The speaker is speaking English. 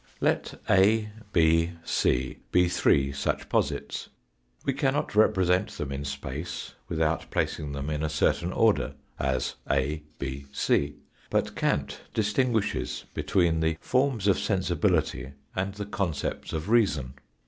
Let a, b, c, be three such posits. We cannot represent them in space without placing them in a certain order, as a, b, c. But Kant distinguishes between the forms of sensibility and the concepts of reason.